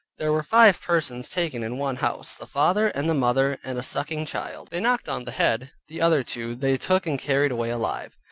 There were five persons taken in one house; the father, and the mother and a sucking child, they knocked on the head; the other two they took and carried away alive.